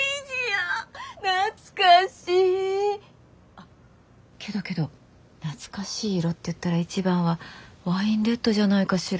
あけどけど懐かしい色っていったら一番はワインレッドじゃないかしら。